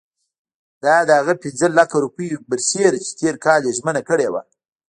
دا د هغه پنځه لکه روپیو برسېره چې تېر کال یې ژمنه کړې وه.